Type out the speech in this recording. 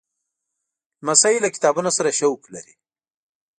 لمسی له کتابونو سره شوق لري.